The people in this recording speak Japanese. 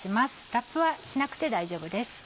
ラップはしなくて大丈夫です。